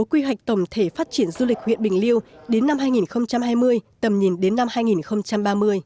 quy hoạch tổng thể phát triển du lịch huyện bình liêu đến năm hai nghìn hai mươi tầm nhìn đến năm hai nghìn ba mươi